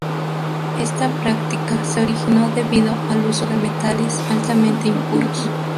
Esta práctica se originó debido al uso de metales altamente impuros.